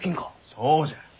そうじゃ。